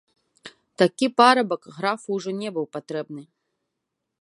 Такі парабак графу ўжо не быў патрэбны.